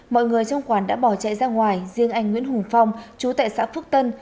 mọi người trong quán đã bỏ chạy ra ngoài riêng anh nguyễn hùng phong chú tại xã phước tân